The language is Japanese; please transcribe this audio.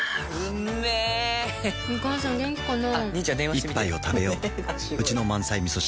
一杯をたべよううちの満菜みそ汁